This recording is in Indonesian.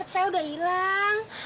tete udah hilang